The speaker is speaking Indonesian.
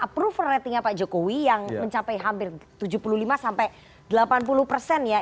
approval ratingnya pak jokowi yang mencapai hampir tujuh puluh lima sampai delapan puluh persen ya